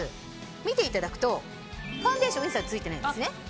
見ていただくとファンデーション一切ついてないんですね。